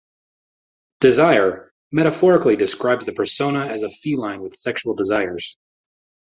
"Desire" metaphorically describes the persona as a feline with sexual desires.